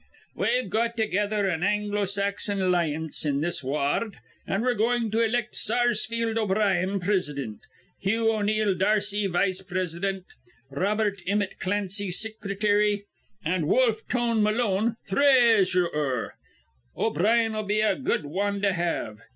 We've got together an Anglo Saxon 'lieance in this wa ard, an' we're goin' to ilict Sarsfield O'Brien prisidint, Hugh O'Neill Darsey vice prisidint, Robert Immitt Clancy sicrety, an' Wolfe Tone Malone three asurer. O'Brien'll be a good wan to have.